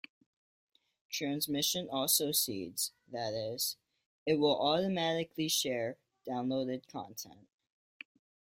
Transmission also seeds, that is, it will automatically share downloaded content.